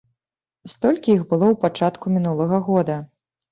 Столькі іх было ў пачатку мінулага года.